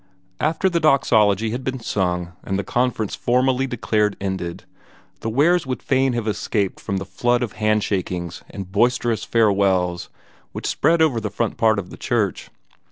After the Doxology had been sung and the Conference formally declared ended, the Wares would fain have escaped from the flood of handshakings and boisterous farewells which spread over the front part of the church.